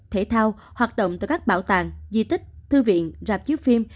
thể thao hoạt động tại các bảo tàng di tích thư viện rạp chiếc phim